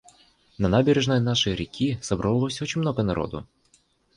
На набережной нашей реки собралось очень много народу.